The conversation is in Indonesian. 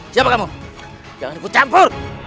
siapa kamu jangan ikut campur